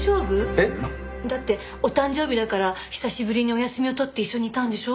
えっ？だってお誕生日だから久しぶりにお休みを取って一緒にいたんでしょ？